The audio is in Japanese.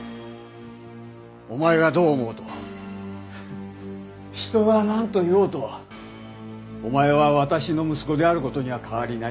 お前がどう思おうと人がなんと言おうとお前は私の息子である事には変わりない。